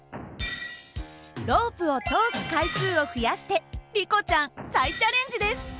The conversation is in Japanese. ロープを通す回数を増やしてリコちゃん再チャレンジです。